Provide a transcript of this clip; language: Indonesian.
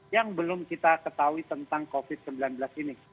yang belum kita ketahui tentang covid sembilan belas ini